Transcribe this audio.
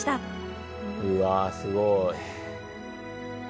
うわすごい。